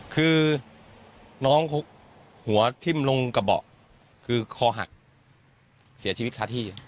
คือน้องเขาหัวทิ้มลงกระเบาะคือคอหักเสียชีวิตคาที่